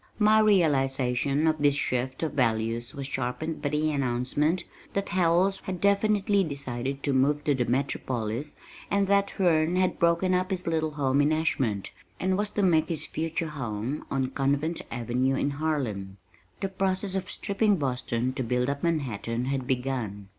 My realization of this shift of values was sharpened by the announcement that Howells had definitely decided to move to the Metropolis, and that Herne had broken up his little home in Ashmont and was to make his future home on Convent Avenue in Harlem. The process of stripping Boston to build up Manhattan had begun.